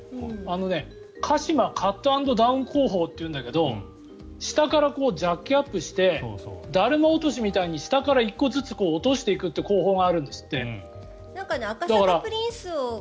カシマカットアンドダウン工法っていうんだけど下からジャッキアップして達磨落としみたいな下から１個ずつ落としていくっていう工法があるんですって。